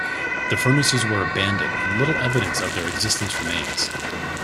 The furnaces were abandoned and little evidence of their existence remains.